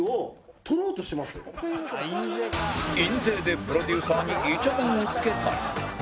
印税でプロデューサーにいちゃもんをつけたり